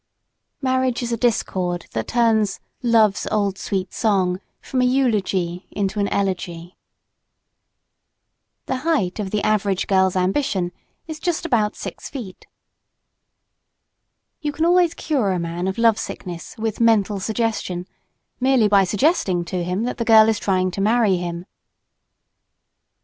Marriage is a discord that turns "Love's Old Sweet Song" from a eulogy into an elegy. The height of the average girl's ambition is just about six feet. You can always cure a man of love sickness with "mental suggestion" merely by suggesting to him that the girl is trying to marry him.